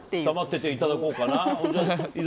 黙ってていただこうかな。